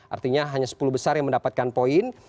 artinya hanya sepuluh besar yang mendapatkan poin